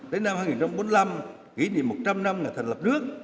tới năm hai nghìn bốn mươi năm kỷ niệm một trăm linh năm ngày thành lập nước